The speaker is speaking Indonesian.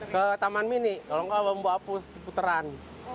ke taman mini kalau tidak bambu hapus puteran